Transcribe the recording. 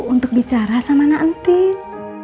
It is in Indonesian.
untuk bicara sama nantin